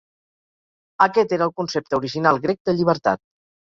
Aquest era el concepte original grec de llibertat.